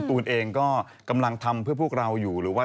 วิ่งเนื้อสลายได้